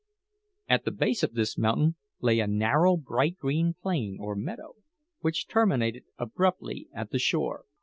At the base of this mountain lay a narrow bright green plain or meadow, which terminated abruptly at the shore.